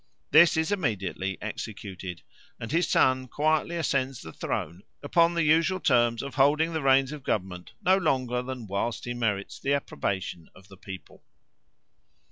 This is immediately executed, and his son quietly ascends the throne upon the usual terms of holding the reins of government no longer than whilst he merits the approbation of the people."